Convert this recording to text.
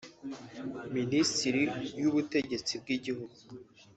Minisiteri y’ubutegetsi bw’igihugu